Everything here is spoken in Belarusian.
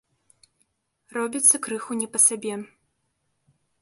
Робіцца крыху не па сабе.